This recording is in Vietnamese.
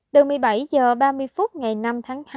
từ một mươi bảy h ba mươi phút ngày năm tháng tám